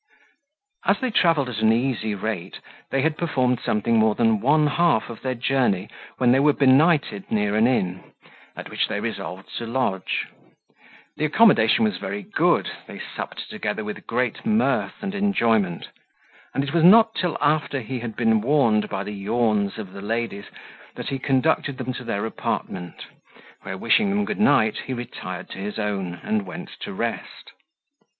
As they travelled at an easy rate, they had performed something more than one half of their journey, when they were benighted near an inn, at which they resolved to lodge; the accommodation was very good, they supped together with great mirth and enjoyment, and it was not till after he had been warned by the yawns of the ladies, that he conducted them to their apartment; where, wishing them good night, he retired to his own, and went to rest.